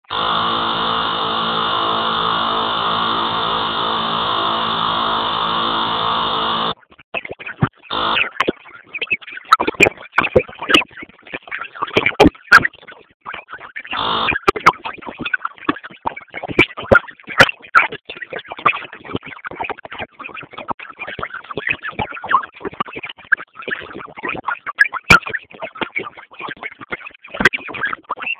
ژوند د وخت په تېرېدو سره انسان بدلوي.